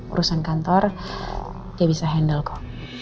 urusan kantor dia bisa handle kok